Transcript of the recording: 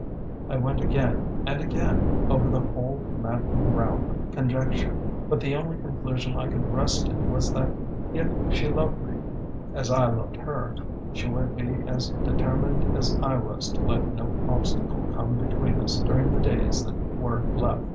I went again and again over the whole maddening round of conjecture; but the only conclusion I could rest in was that, if she loved me as I loved her, she would be as determined as I was to let no obstacle come between us during the days that were left.